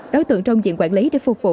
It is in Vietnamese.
đối tượng trong diện quản lý để phục vụ